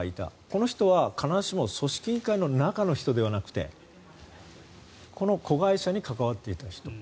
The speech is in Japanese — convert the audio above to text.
この人は必ずしも組織委員会の中の人ではなくてこの子会社に関わっていた人。